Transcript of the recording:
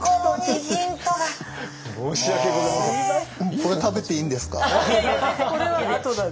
これ食べていいんですか？